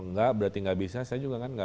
enggak berarti gak bisa saya juga kan gak